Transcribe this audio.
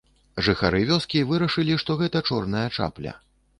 Жыхары вёскі вырашылі, што гэта чорная чапля.